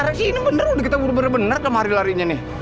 lari sini kita benar benar kemari larinya nih